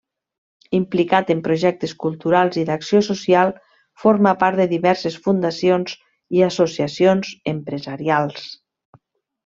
Implicat en projectes culturals i d’acció social, forma part de diverses fundacions i associacions empresarials.